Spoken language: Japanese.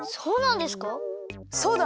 そうだ！